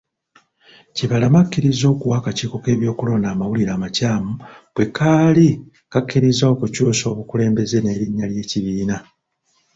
Kibalama akkiriza okuwa akakiiko k'ebyokulonda amawulire amakyamu bwe kaali kakkiriza okukyusa obukulembeze n'erinnya ly'ekibiina.